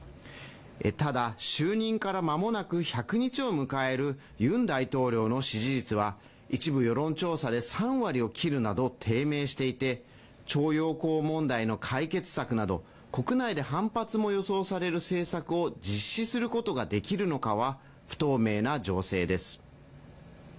ただ就任からまもなく１００日を迎えるユン大統領の支持率は一部世論調査で３割を切るなど低迷していて徴用工問題の解決策など国内で反発も予想される政策を実施することができるのかは不透明な情勢です